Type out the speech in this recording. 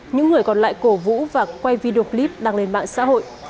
những người còn lại cổ vũ và quay video clip đăng lên mạng xã hội